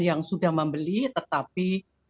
yang sudah membeli tetapi